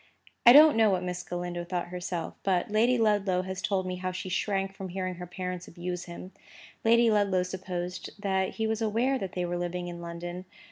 I don't know what Miss Galindo thought herself; but Lady Ludlow has told me how she shrank from hearing her parents abuse him. Lady Ludlow supposed that he was aware that they were living in London.